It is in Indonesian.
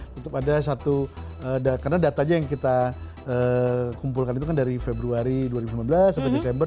tetap ada satu karena datanya yang kita kumpulkan itu kan dari februari dua ribu lima belas sampai desember